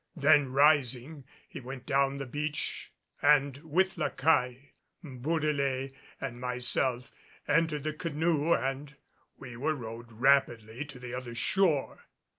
Then rising he went down the beach and with La Caille, Bourdelais and myself, entered the canoe and we were rowed rapidly to the other shore.